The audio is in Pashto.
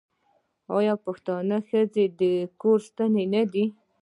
آیا د پښتنو ښځې د کور ستنې نه دي؟